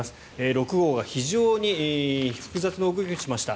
６号は非常に複雑な動きをしました。